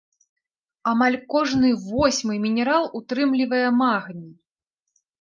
Амаль кожны восьмы мінерал утрымлівае магній.